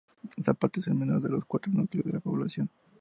Zapata es el menor de los cuatro núcleos de población.